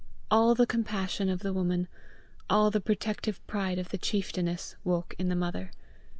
All the compassion of the woman, all the protective pride of the chieftainess, woke in the mother.